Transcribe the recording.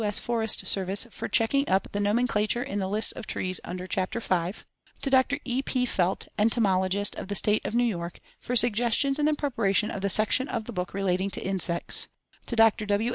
S. Forest Service, for checking up the nomenclature in the lists of trees under Chapter V; to Dr. E.P. Felt, Entomologist of the State of New York, for suggestions in the preparation of the section of the book relating to insects; to Dr. W.